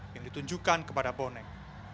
yang ditunjukkan kepada bonek